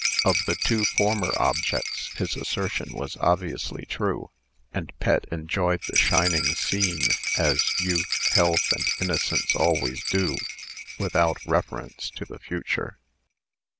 Of the two former objects his assertion was obviously true, and Pet enjoyed the shining scene, as youth, health, and innocence always do, without reference to the future.